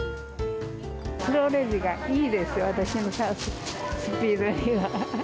スローレジがいいですよ、私のスピードには。